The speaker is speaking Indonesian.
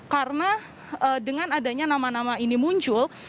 karena dengan adanya nama nama ini muncul